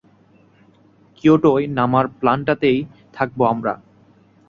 কিয়োটোয় নামার প্ল্যানটাতেই থাকবো আমরা।